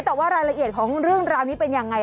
แต่ว่ารายละเอียดของเรื่องราวนี้เป็นยังไง